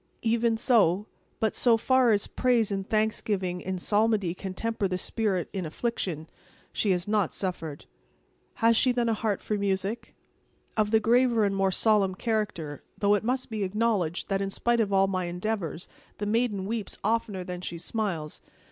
"Even so. But so far as praise and thanksgiving in psalmody can temper the spirit in affliction, she has not suffered." "Has she then a heart for music?" "Of the graver and more solemn character; though it must be acknowledged that, in spite of all my endeavors, the maiden weeps oftener than she smiles.